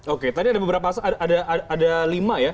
oke tadi ada lima ya